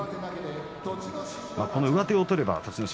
この上手を取れば栃ノ